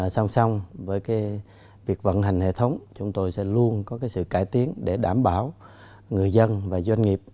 song song với việc vận hành hệ thống chúng tôi sẽ luôn có sự cải tiến để đảm bảo người dân và doanh nghiệp